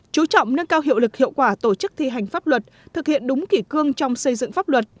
chú trọng nâng cao hiệu lực hiệu quả tổ chức thi hành pháp luật thực hiện đúng kỷ cương trong xây dựng pháp luật